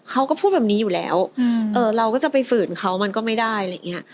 เขาก็พูดแบบนี้อยู่แล้วเราก็จะไปฝืนเขามันก็ไม่ได้อะไรอย่างเงี้ย